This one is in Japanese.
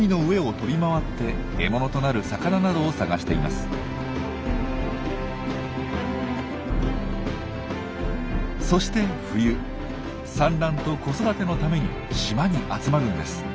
そして冬産卵と子育てのために島に集まるんです。